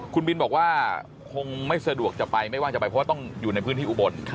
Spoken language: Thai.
คุณบินบอกว่าคงไม่สะดวกจะไปไม่ว่าจะไปเพราะว่าต้องอยู่ในพื้นที่อุบล